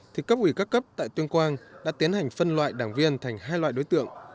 thì cấp ủy các cấp tại tuyên quang đã tiến hành phân loại đảng viên thành hai loại đối tượng